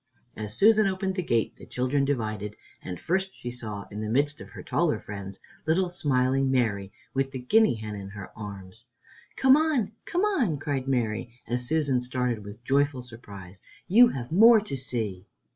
As Susan opened the gate, the children divided, and first she saw, in the midst of her taller friends, little smiling Mary, with the guinea hen in her arms. "Come on! come on!" cried Mary, as Susan started with joyful surprise; "you have more to see."